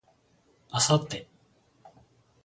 明後日